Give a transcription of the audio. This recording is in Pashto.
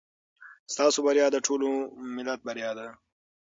ستاسو بریا د ټول ملت بریا ده.